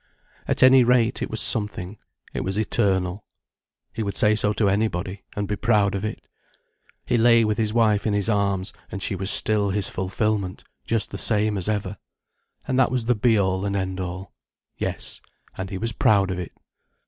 At any rate, it was something, it was eternal. He would say so to anybody, and be proud of it. He lay with his wife in his arms, and she was still his fulfilment, just the same as ever. And that was the be all and the end all. Yes, and he was proud of it.